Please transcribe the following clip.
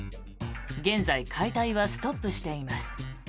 現在解体はストップしています。